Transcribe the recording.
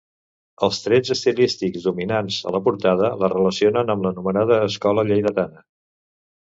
Els trets estilístics dominants a la portada la relacionen amb l'anomenada escola lleidatana.